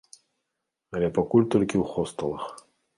Але пакуль толькі ў хостэлах.